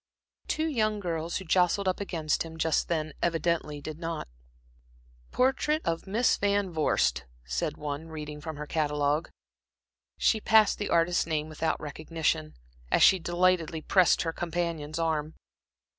Two young girls, who jostled up against him just then evidently did not. "Portrait of Miss Van Vorst," said one, reading from her catalogue, "by ." She passed the artist's name without recognition, as she delightedly pressed her companion's arm.